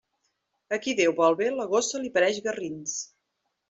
A qui Déu vol bé, la gossa li pareix garrins.